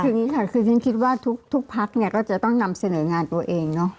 คืออย่างนี้ค่ะคือฉันคิดว่าทุกพักเนี่ยก็จะต้องนำเสนองานตัวเองเนอะ